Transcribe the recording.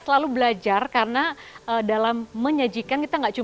selalu belajar karena dalam menyajikan informasi